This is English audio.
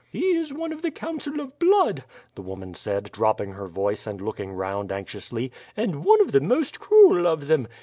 "He is one of the Council of Blood," the woman said, dropping her voice and looking round anxiously; "and one of the most cruel of them.